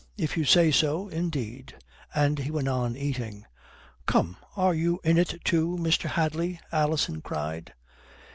If you say so, indeed " and he went on eating. "Come, are you in it too, Mr. Hadley?" Alison cried.